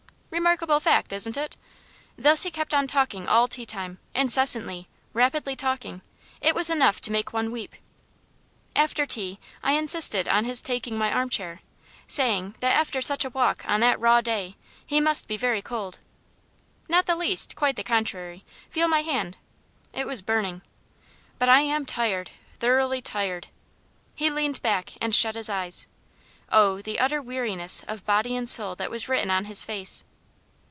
Remarkable fact, isn't it?" Thus he kept on talking all tea time, incessantly, rapidly talking. It was enough to make one weep. After tea I insisted on his taking my arm chair; saying, that after such a walk, in that raw day, he must be very cold. "Not the least quite the contrary feel my hand." It was burning. "But I am tired thoroughly tired." He leaned back and shut his eyes. Oh, the utter weariness of body and soul that was written on his face!